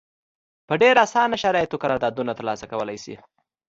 په ډېر اسانه شرایطو قراردادونه ترلاسه کولای شي.